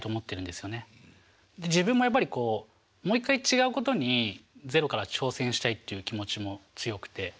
自分もやっぱりこうもう一回違うことにゼロから挑戦したいっていう気持ちも強くて。